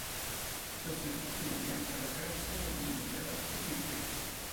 Ciò si ottiene mediante la creazione di una gerarchia di bridge.